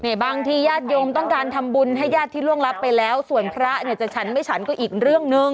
บางทีญาติโยมต้องการทำบุญให้ญาติที่ล่วงรับไปแล้วส่วนพระเนี่ยจะฉันไม่ฉันก็อีกเรื่องหนึ่ง